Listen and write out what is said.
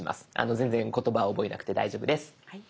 全然言葉覚えなくて大丈夫です。